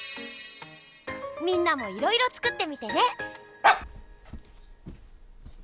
みんなもいろいろつくってみてね！